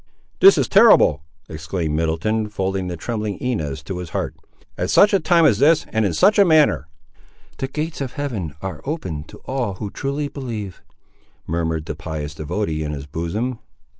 "This is terrible!" exclaimed Middleton, folding the trembling Inez to his heart. "At such a time as this, and in such a manner!" "The gates of Heaven are open to all who truly believe," murmured the pious devotee in his bosom.